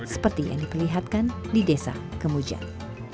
seperti yang diperlihatkan di desa kemujan